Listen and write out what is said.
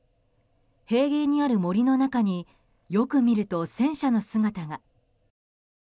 平原にある森の中によく見ると戦車の姿が。